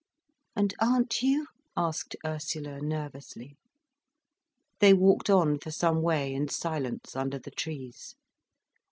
"And aren't you?" asked Ursula nervously. They walked on for some way in silence, under the trees.